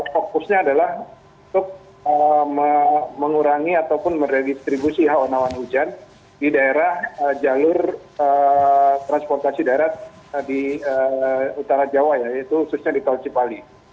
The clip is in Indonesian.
fokusnya adalah untuk mengurangi ataupun meredistribusi haonawan hujan di daerah jalur transportasi daerah di utara jawa yaitu khususnya di tol cipali